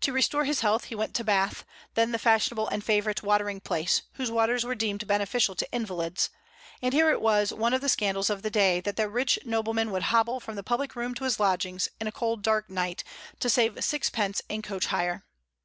To restore his health, he went to Bath, then the fashionable and favorite watering place, whose waters were deemed beneficial to invalids; and here it was one of the scandals of the day that the rich nobleman would hobble from the public room to his lodgings, in a cold, dark night, to save sixpence in coach hire.